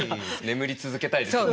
「眠り続けたい」ですよね